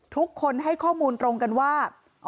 ทุกคนให้ข้อมูลตรงกันว่า